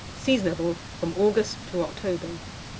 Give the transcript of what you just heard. Seasonable from August to October.